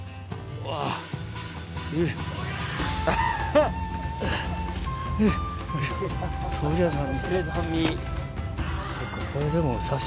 うん。